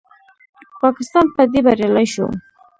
پاکستان په دې بریالی شو